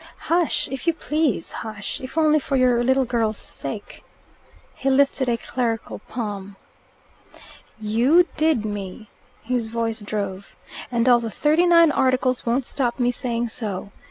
"Hush! if you please, hush! if only for your little girl's sake." He lifted a clerical palm. "You did me," his voice drove, "and all the thirty nine Articles won't stop me saying so.